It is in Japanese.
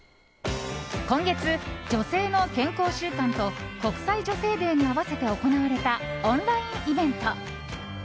今月、女性の健康週間と国際女性デーに合わせて行われたオンラインイベント。